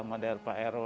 sama dari prw prt